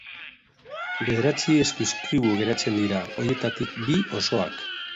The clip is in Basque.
Bederatzi eskuizkribu geratzen dira, horietatik bi osoak.